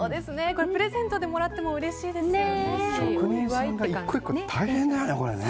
プレゼントでもらってもうれしいですよね。